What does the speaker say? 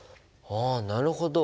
あなるほど。